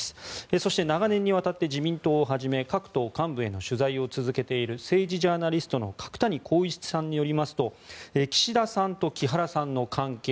そして、長年にわたって自民党をはじめ各党幹部への取材を続けている政治ジャーナリストの角谷浩一さんによりますと岸田さんと木原さんの関係